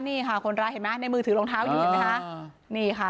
นี่ค่ะคนร้ายเห็นไหมในมือถือรองเท้าอยู่เห็นไหมคะนี่ค่ะ